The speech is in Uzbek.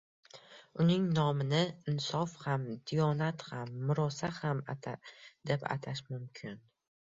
Uning nomini Insof ham, Diyonat ham, Murosa ham deb atash mumkin.